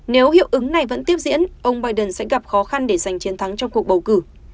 nếu hiệu ứng này vẫn tiếp diễn ông biden sẽ gặp khó khăn để giành chiến thắng trong cuộc bầu cử